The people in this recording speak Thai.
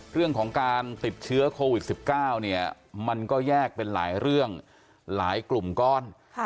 เรื่องของการติดเชื้อโควิด๑๙เนี่ยมันก็แยกเป็นหลายเรื่องหลายกลุ่มก้อน